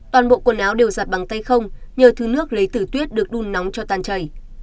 toàn bộ quần áo đều giặt bằng tay không nhờ thứ nước lấy tử tuyết được đun nóng cho tan chảy